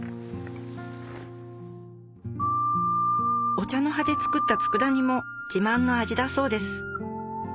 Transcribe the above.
お茶の葉で作った佃煮も自慢の味だそうです